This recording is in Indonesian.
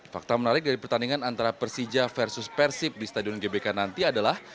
fakta menarik dari pertandingan antara persija versus persib di stadion gbk nanti adalah